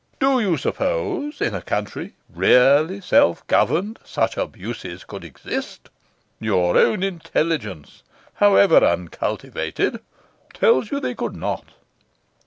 Do you suppose, in a country really self governed, such abuses could exist? Your own intelligence, however uncultivated, tells you they could not.